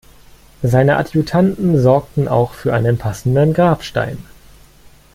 Seine Adjutanten sorgten auch für einen passenden Grabstein.